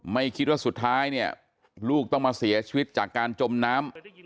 ไม่คิดว่าสุดท้ายเนี่ยลูกต้องมาเสียชีวิตจากการจมน้ำ